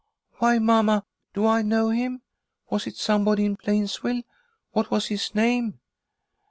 "Why, mamma, do I know him? Was it somebody in Plainsville? What was his name?"